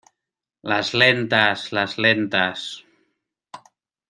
las lentas. las lentas .